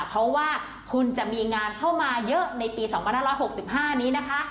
เพราะว่าคุณจะมีงานเข้ามาเยอะในปี๒๕๖๕นี้นะคะ